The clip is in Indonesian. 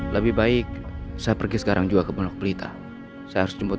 lebih baik saya pergi sekarang juga ke pondok pelita saya harus jemput